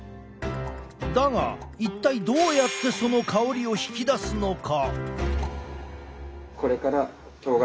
だが一体どうやってその香りを引き出すのか？